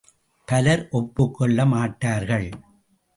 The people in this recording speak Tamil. பலர் ஒப்புக்கொள்ள மாட்டார்கள்.